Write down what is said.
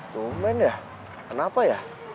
tumben ya kenapa ya